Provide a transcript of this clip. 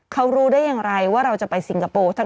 เขารู้ได้อย่างไรว่าเราจะไปสิงคโปร์